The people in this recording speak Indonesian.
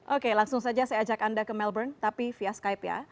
oke langsung saja saya ajak anda ke melbourne tapi via skype ya